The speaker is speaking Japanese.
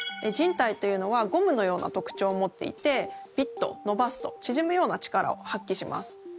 靱帯というのはゴムのような特徴を持っていてビッとのばすとちぢむような力を発揮します。